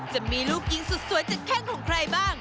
จะมีลูกยิงสุดสวยจากแข้งของใครบ้าง